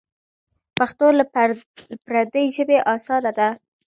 پښتو له پردۍ ژبې اسانه ده.